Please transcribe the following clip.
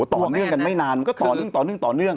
ต่อเนื่องกันไม่นานมันก็ต่อเนื่องต่อเนื่องต่อเนื่อง